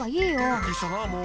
びっくりしたなもう。